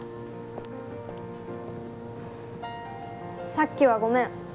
さっきはごめん。